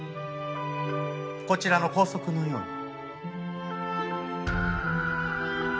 こちらの校則のように。